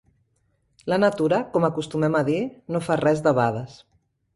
La natura, com acostumem a dir, no fa res debades.